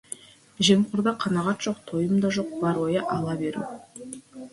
Жемқорда қанағат жоқ, тойым да жоқ, бар ойы — ала беру.